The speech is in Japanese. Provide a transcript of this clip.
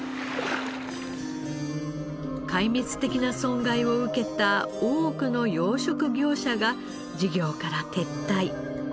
壊滅的な損害を受けた多くの養殖業者が事業から撤退。